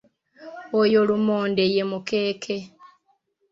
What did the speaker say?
Oyo lumonde ye mukeke.